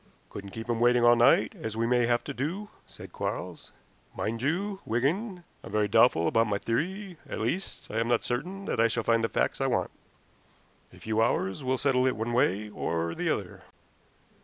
"Couldn't keep him waiting all night, as we may have to do," said Quarles. "Mind you, Wigan, I'm very doubtful about my theory; at least, I am not certain that I shall find the facts I want. A few hours will settle it one way or the other."